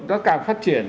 nó càng phát triển